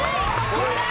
これだー！